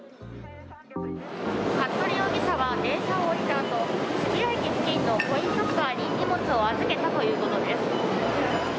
服部容疑者は電車を降りたあと渋谷駅付近のコインロッカーに荷物を預けたということです。